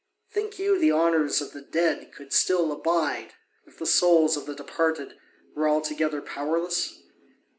Think you the honours of the dead would still abide, if the souls of the departed were altogether powerless?